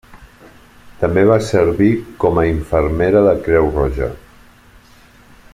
També va servir com a infermera de Creu Roja.